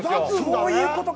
そういうことか。